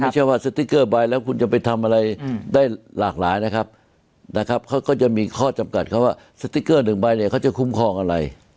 ไม่ใช่ว่าสติ๊กเกอร์ใบแล้วคุณจะไปทำอะไรได้หลากหลายนะครับนะครับเขาก็จะมีข้อจำกัดเขาว่าสติ๊กเกอร์หนึ่งใบเนี่ยเขาจะคุ้มครองอะไร